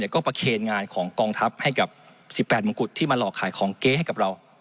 ก็ประเคนงานของกองทัพให้กับ๑๘มงกุฎที่มาหลอกขายของเก๊ให้กับเรา